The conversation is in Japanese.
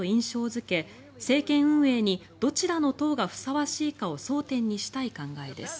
付け政権運営にどちらの党がふさわしいかを争点にしたい考えです。